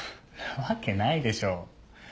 なわけないでしょう。